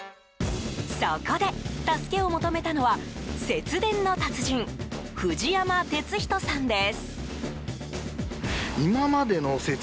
そこで、助けを求めたのは節電の達人、藤山哲人さんです。